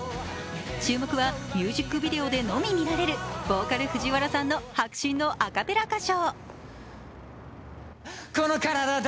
注目はミュージックビデオのみで見られるボーカル藤原さんの迫真のアカペラ歌唱。